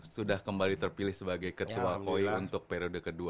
sudah kembali terpilih sebagai ketua koi untuk periode kedua